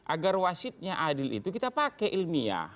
agar wasitnya adil itu kita pakai ilmiah